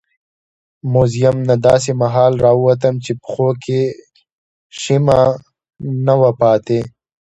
موزیم نه داسې مهال راووتم چې پښو کې شیمه نه وه پاتې.